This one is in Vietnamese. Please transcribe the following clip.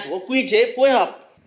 phải có quy chế phối hợp